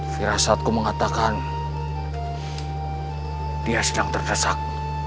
firasatku mengatakan dia sedang terdesak